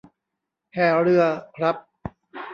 แห่เรือครับ